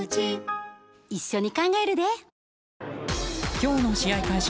今日の試合開始